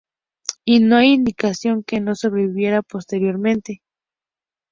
Y no hay indicación que no sobreviviera posteriormente.